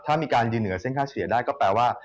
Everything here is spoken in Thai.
ถ้ามีการยืนเหนือเส้นค่าเสียได้ก็แปลว่า